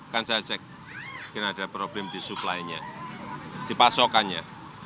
kan saya cek mungkin ada problem di supply nya di pasokannya